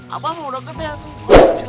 apa mau deket ya tuh